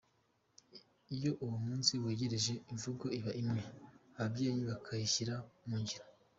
Iyo uwo munsi wegereje, imvugo iba imwe , ababyeyi bakayishyira mu ngiro.